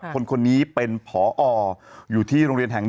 คนนี้เป็นผออยู่ที่โรงเรียนแห่ง๑